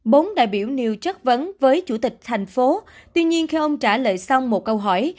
bốn đại biểu nêu chất vấn với chủ tịch thành phố tuy nhiên khi ông trả lời xong một câu hỏi